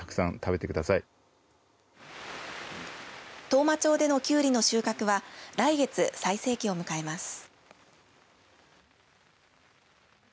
当麻町でのキュウリの収穫は来月、最盛期を迎えます。